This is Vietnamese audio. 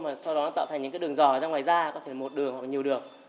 mà sau đó nó tạo thành những cái đường dò ra ngoài da có thể một đường hoặc nhiều đường